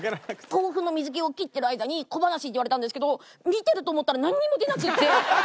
豆腐の水気を切ってる間に小噺って言われたんですけど見てると思ったらなんにも出なくて。